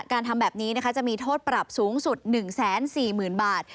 การทำแบบนี้จะมีโทษปรับสูงสุด๑๔๐๐๐บาท